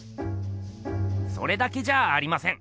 それだけじゃありません！